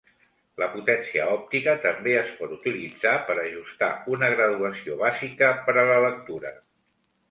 La potència òptica també es pot utilitzar per ajustar una graduació bàsica per a la lectura.